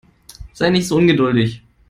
Sei nicht so ungeduldig.